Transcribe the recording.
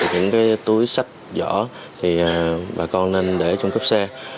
những túi sách vỏ bà con nên để trong cấp xe